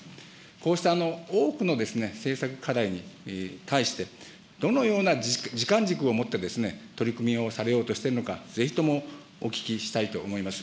こうした多くの政策課題に対して、どのような時間軸を持って、取り組みをされようとしているのか、ぜひともお聞きしたいと思います。